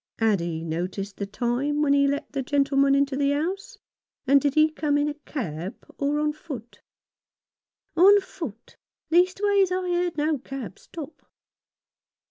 Had he noticed the time when he let the gentle man into the house ; and did he come in a cab or on foot ?" On foot. Leastways, I heard no cab stop."